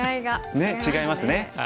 ねえ違いますね。